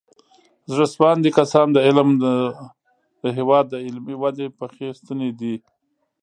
زړه سواندي کسان د هېواد د علمي ودې پخې ستنې دي.